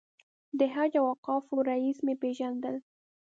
د حج او اوقافو رییس مې پېژندل.